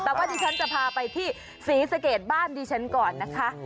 แต่ว่าดิฉันจะพาไปที่ศรีสะเกดบ้านดิฉันก่อนนะคะ